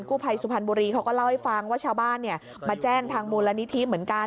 ผู้ภัยสุพรรณบุรีเขาก็เล่าให้ฟังว่าชาวบ้านมาแจ้งทางมูลนิธิเหมือนกัน